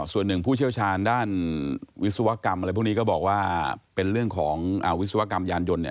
ส่วนหนึ่งผู้เชี่ยวชาญด้านวิศวกรรมอะไรพวกนี้ก็บอกว่าเป็นเรื่องของวิศวกรรมยานยนต์เนี่ย